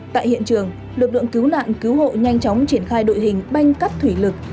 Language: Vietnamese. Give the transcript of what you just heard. tại hiện trường lực lượng cứu nạn cứu hộ nhanh chóng triển khai đội hình banh cắt thủy lực